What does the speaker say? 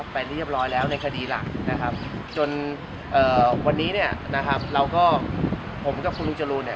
อยู่เรียบร้อยแล้วในคดีหลักจนวันนี้ผมกับคุณลูกจรู